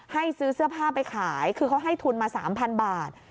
ซื้อเสื้อผ้าไปขายคือเขาให้ทุนมา๓๐๐บาท